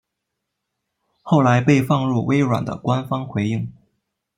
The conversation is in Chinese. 后来被放入微软的官方回应。